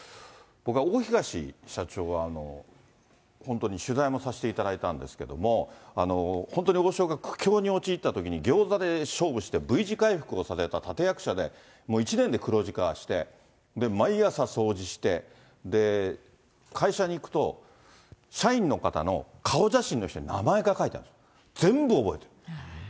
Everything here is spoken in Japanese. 僕は大東社長は、本当に取材もさせていただいたんですけれども、本当に王将が苦境に陥ったときに、餃子で勝負してＶ字回復をさせた立役者で、１年で黒字化して、毎朝掃除して、会社に行くと、社員の方の顔写真の下に名前が書いてあるの、全部覚えてる。